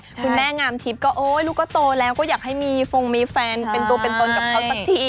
คุณแม่งามทิพย์ก็โอ๊ยลูกก็โตแล้วก็อยากให้มีฟงมีแฟนเป็นตัวเป็นตนกับเขาสักที